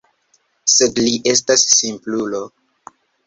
Sed li estas simplulo.